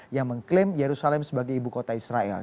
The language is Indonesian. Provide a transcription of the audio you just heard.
yang mengklaim yerusalem sebagai ibu kota israel